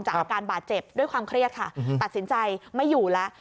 อาการบาดเจ็บด้วยความเครียดค่ะตัดสินใจไม่อยู่แล้ว